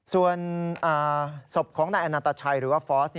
ส่วนศพของนายอนันตชัยหรือว่าฟอส